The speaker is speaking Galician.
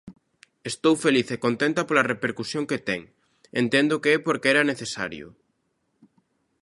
Estou feliz e contenta pola repercusión que ten, entendo que é porque era necesario.